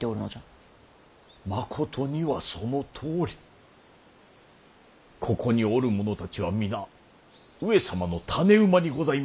まことにはそのとおりここにおる者たちは皆上様の種馬にございます。